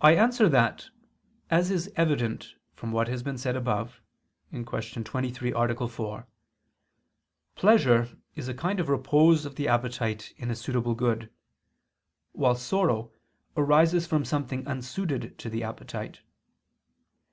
I answer that, As is evident from what has been said above (Q. 23, A. 4), pleasure is a kind of repose of the appetite in a suitable good; while sorrow arises from something unsuited to the appetite.